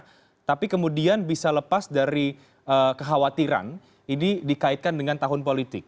jadi bagaimana kemudian bisa lepas dari kekhawatiran ini dikaitkan dengan tahun politik